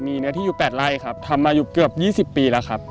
มีเนื้อที่อยู่๘ไร่ครับทำมาอยู่เกือบ๒๐ปีแล้วครับ